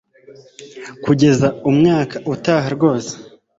kugeza umwaka utaha rwose